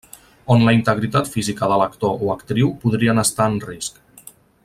On la integritat física de l'actor o actriu podrien estar en risc.